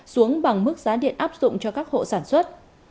xuống bằng mức giá điện áp dụng cho các hộ sản xuất